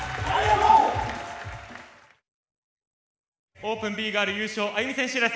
オープンＢＧＩＲＬ優勝ＡＹＵＭＩ選手です。